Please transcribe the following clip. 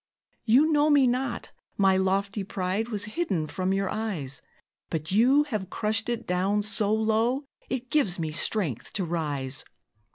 "You know me not; my lofty pride Was hidden from your eyes; But you have crushed it down so low It gives me strength to rise.